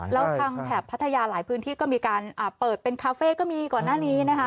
แล้วทางแถบพัทยาหลายพื้นที่ก็มีการเปิดเป็นคาเฟ่ก็มีก่อนหน้านี้นะคะ